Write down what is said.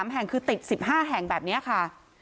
๓แห่งคือติด๑๕แห่งแบบนี้ค่ะ